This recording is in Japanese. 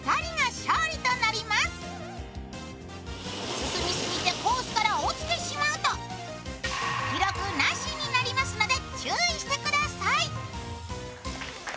進みすぎてコースから落ちてしまうと記録なしになりますので注意してください。